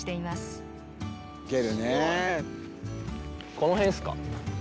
この辺ですか？